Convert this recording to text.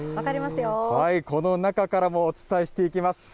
この中からもお伝えしていきます。